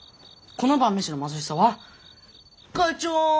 この晩飯の貧しさはガチョン！